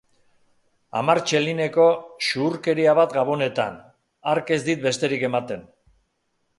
Hamar txelineko xuhurkeria bat Gabonetan, hark ez dit besterik ematen.